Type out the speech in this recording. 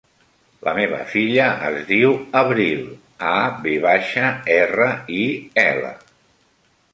La meva filla es diu Avril: a, ve baixa, erra, i, ela.